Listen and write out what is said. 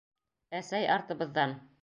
Әсәй артыбыҙҙан: